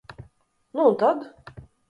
Nu un tad?